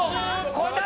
超えた！